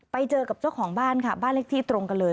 ไปเจอกับเจ้าของบ้านค่ะบ้านเลขที่ตรงกันเลย